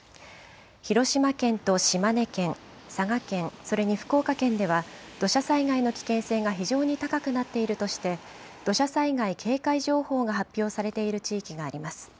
広島県と島根県、佐賀県、それに福岡県では土砂災害の危険性が非常に高くなっているとして、土砂災害警戒情報が発表されている地域があります。